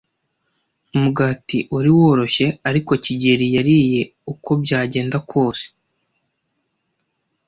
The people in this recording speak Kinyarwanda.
Umugati wari woroshye, ariko kigeli yariye uko byagenda kose.